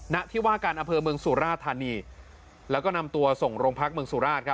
ณที่ว่าการอำเภอเมืองสุราธานีแล้วก็นำตัวส่งโรงพักเมืองสุราชครับ